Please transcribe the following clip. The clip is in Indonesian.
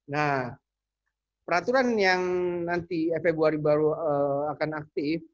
nah peraturan yang nanti februari baru akan aktif